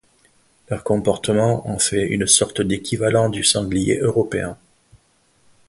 Leur comportement en fait une sorte d'équivalent du sanglier européen.